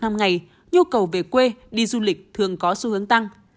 nhiều người nhu cầu về quê đi du lịch thường có xu hướng tăng